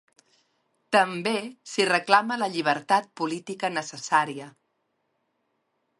També s'hi reclama la llibertat política necessària.